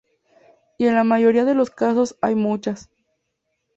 Y en la mayoría de los casos, hay muchas.